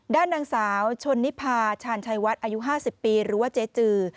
ด้านนางสาวชนนิพาชาญชัยวัดอายุ๕๐ปีหรือว่าเจ๊จือ